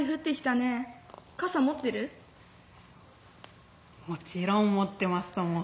「もちろん持ってますとも」。